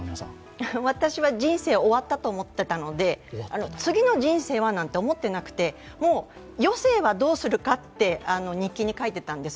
私は人生終わったと思っていたので、次の人生はなんて思ってなくて、余生はどうするかって日記に書いてたんです。